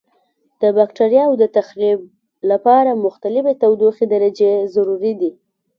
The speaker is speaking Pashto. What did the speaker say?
د بکټریاوو د تخریب لپاره مختلفې تودوخې درجې ضروري دي.